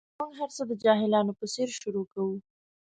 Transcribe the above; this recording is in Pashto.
موږ هر څه د جاهلانو په څېر شروع کوو.